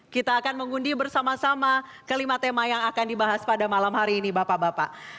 kita akan mengundi bersama sama kelima tema yang akan dibahas pada malam hari ini bapak bapak